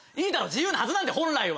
自由なはずなんだよ本来は！